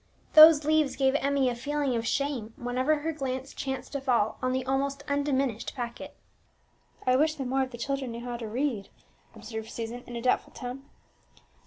Those leaves gave Emmie a feeling of shame whenever her glance chanced to fall on the almost undiminished packet. "I wish that more of the children knew how to read," observed Susan in a doubtful tone.